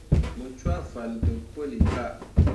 Mu cwaa fan deb puilika.